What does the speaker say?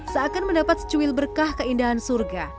seakan mendapat secuil berkah keindahan surga